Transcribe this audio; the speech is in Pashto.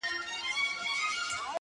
• هغه ولس چي د ؛